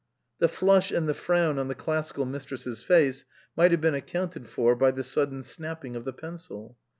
The flush and the frown on the Classical Mistress's face might have been accounted for by the sudden snapping of the pencil.